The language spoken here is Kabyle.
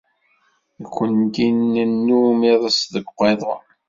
Nekkenti nennum iḍes deg uqiḍun.